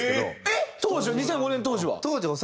えっ！当時は２００５年当時は？